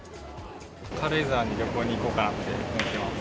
軽井沢に旅行に行こうかなって思ってます。